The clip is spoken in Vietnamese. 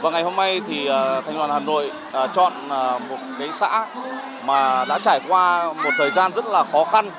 ngày hôm nay thì thành đoàn hà nội chọn một xã mà đã trải qua một thời gian rất là khó khăn